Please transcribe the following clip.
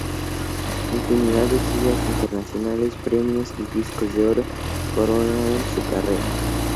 Infinidad de giras internacionales, premios y "discos de oro" coronaron su carrera.